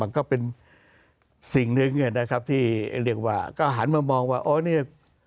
ก็เป็นสิ่งหนึ่งนะครับที่เรียกว่าก็หันมามองว่าอ๋อเนี่ย